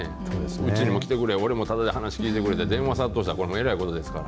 うちにも来てくれ、俺も頼む、話聞いてくれって、電話殺到したら、これはえらいことになります